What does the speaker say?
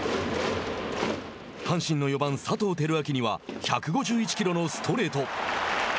阪神の４番、佐藤輝明には１５１キロのストレート。